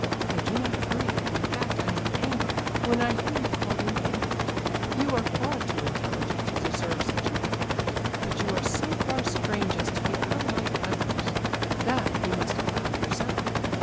I do not agree, in fact I am angry, when I hear you called an idiot; you are far too intelligent to deserve such an epithet; but you are so far strange as to be unlike others; that you must allow, yourself.